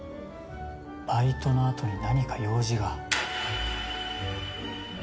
バイトのあとに何か用事が。